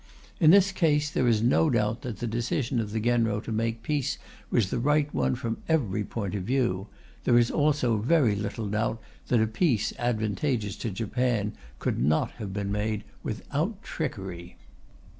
In this case, there is no doubt that the decision of the Genro to make peace was the right one from every point of view; there is also very little doubt that a peace advantageous to Japan could not have been made without trickery.